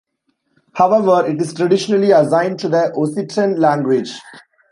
However, it is traditionally assigned to the Occitan language.